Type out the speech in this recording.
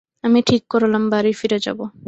আমি ঠিক করলাম বাড়ি ফিরে যাব।